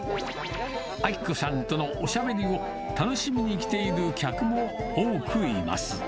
アキ子さんとのおしゃべりを楽しみに来ている客も多くいます。